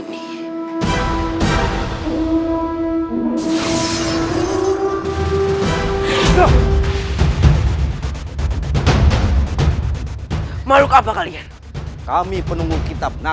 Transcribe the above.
seterusnya mesti m palestinians